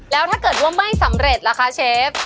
แล้วถ้าเกิดว่าไม่สำเร็จล่ะคะเชฟ